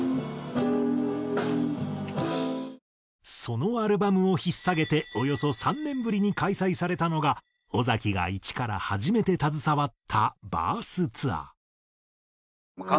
そのアルバムを引っ提げておよそ３年ぶりに開催されたのが尾崎が一から初めて携わったＢＩＲＴＨツアー。